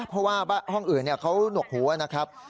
เพราะว่าห้องอื่นเขาหนวกหูนะครับ